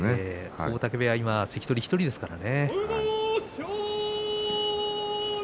大嶽部屋は関取１人ですからね。